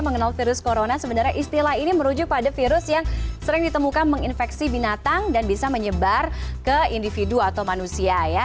mengenal virus corona sebenarnya istilah ini merujuk pada virus yang sering ditemukan menginfeksi binatang dan bisa menyebar ke individu atau manusia ya